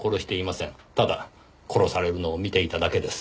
ただ殺されるのを見ていただけです。